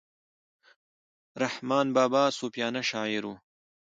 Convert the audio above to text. رحمان بابا صوفیانه شاعر وو.